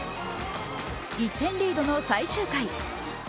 １点リードの最終回。